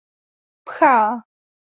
Pchá!